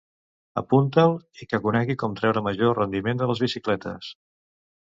Apunta'l i que conegui com treure major rendiment de les bicicletes.